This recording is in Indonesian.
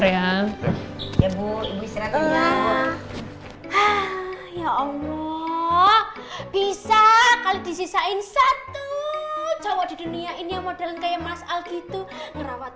ya allah bisa kalau disisain satu cowok di dunia ini model kayak masal gitu ngerawat